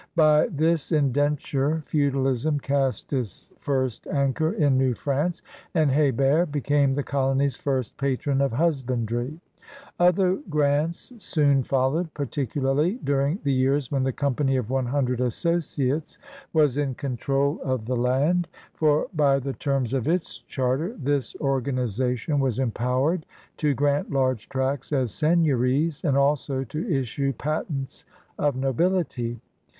By this indenture feudalism cast its first anchor in New France, and H6bert became the colony's first patron of husbandry. Other grants soon followed, particularly during the years when the Company of One Hundred Associates was in control of the 138 CRUSADERS OP NEW FRANCE land, for, by the terms of its charter, this organi zation was empowered to grant large tracts as seigneuries and also to issue patents of nobility.